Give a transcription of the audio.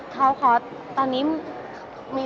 เข้าคอร์ดอะไรที่ด้วยบ้างอย่างนี้